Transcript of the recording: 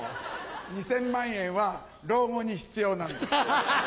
２０００万円は老後に必要なんです。